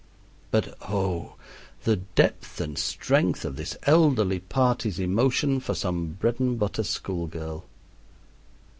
But oh! the depth and strength of this elderly party's emotion for some bread and butter school girl!